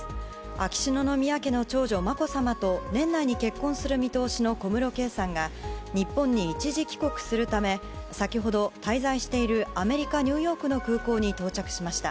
秋篠宮家の長女・まこさまと年内に結婚する見通しの小室圭さんが日本に一時帰国するため先ほど、滞在しているアメリカ・ニューヨークの空港に到着しました。